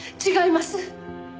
違います！